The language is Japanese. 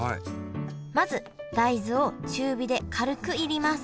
まず大豆を中火で軽く煎ります。